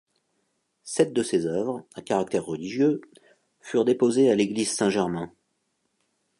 Sept de ces œuvres, à caractère religieux, furent déposés à l'église Saint-Germain.